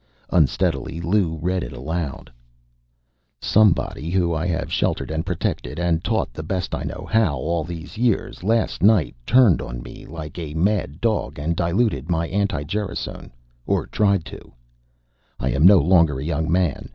Unsteadily, Lou read it aloud: "'Somebody who I have sheltered and protected and taught the best I know how all these years last night turned on me like a mad dog and diluted my anti gerasone, or tried to. I am no longer a young man.